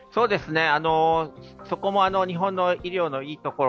そこも日本の医療のいいところ。